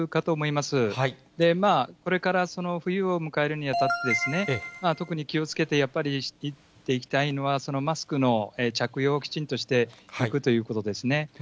まあ、これから冬を迎えるにあたって、特に気をつけて、やっぱりしていきたいのは、マスクの着用をきちんとしていくということですね。